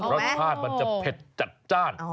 ร้อนพลาดมันจะเผ็ดจัดจ้าน